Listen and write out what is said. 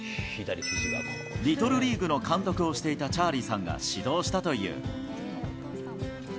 リトルリーグの監督をしていたチャーリーさんが指導したという。